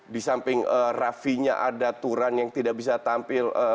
di samping raffinya ada turan yang tidak bisa tampil